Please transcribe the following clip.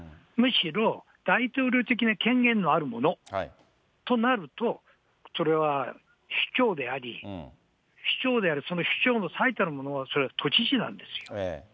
むしろ、大統領的な権限のあるもの、となると、それは首長であり、首長である、その首長の最たるものはそれは都知事なんですよ。